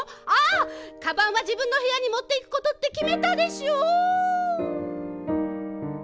かばんはじぶんのへやにもっていくことってきめたでしょ！